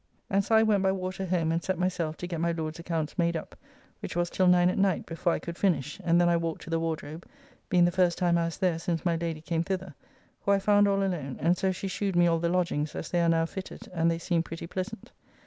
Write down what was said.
] and so I went by water home and set myself to get my Lord's accounts made up, which was till nine at night before I could finish, and then I walked to the Wardrobe, being the first time I was there since my Lady came thither, who I found all alone, and so she shewed me all the lodgings as they are now fitted, and they seem pretty pleasant.